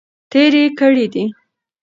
تیرې کړي دي.